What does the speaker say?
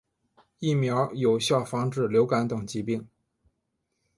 疫苗有效防止流感等疾病。